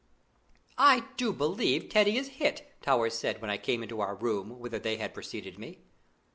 "I do believe Teddy is hit!" Towers said when I came into our room, whither they had preceded me.